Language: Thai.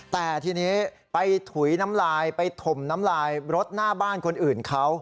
แต่ทีนี้ไปถุยน้ำลายไปถมน้ำลายรถหน้าบ้านคนอื่นเขา